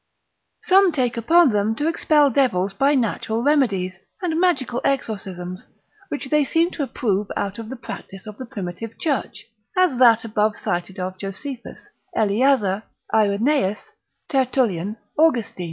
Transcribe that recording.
Some take upon them to expel devils by natural remedies, and magical exorcisms, which they seem to approve out of the practice of the primitive church, as that above cited of Josephus, Eleazer, Irenaeus, Tertullian, Austin.